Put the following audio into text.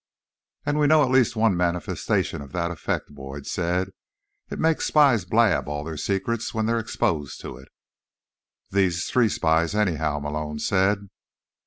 "And we know at least one manifestation of that effect," Boyd said. "It makes spies blab all their secrets when they're exposed to it." "These three spies, anyhow," Malone said.